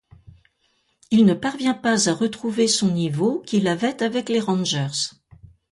Il ne parvient pas à retrouver son niveau qu'il avait avec les Rangers.